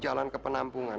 jalan ke penampungan